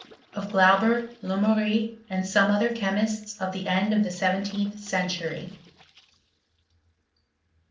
OF GLAUBER, LEMERT, AND SOME OTHER CHEMISTS OV ijp END OF THE SEVENTEENTH CENTURY.